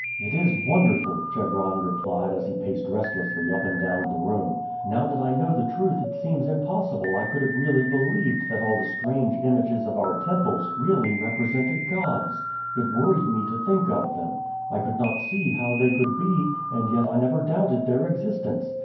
"It is wonderful," Chebron replied as he paced restlessly up and down the room. "Now that I know the truth it seems impossible I could have really believed that all the strange images of our temples really represented gods. It worried me to think of them. I could not see how they could be, and yet I never doubted their existence.